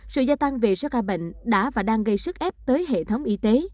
sự gia tăng về số ca bệnh đã và đang gây sức ép tới hệ thống y tế